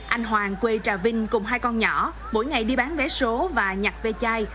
anh hoàng quê trà vinh cùng hai con nhỏ mỗi ngày đi bán vé số và nhặt vé chai